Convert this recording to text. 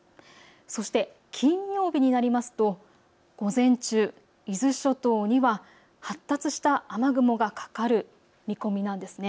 そして金曜日になりますと午前中、伊豆諸島には発達した雨雲がかかる見込みなんです。